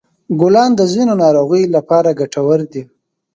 ګلان د ځینو ناروغیو لپاره ګټور دي.